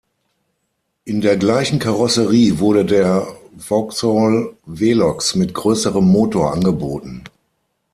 In der gleichen Karosserie wurde der Vauxhall Velox mit größerem Motor angeboten.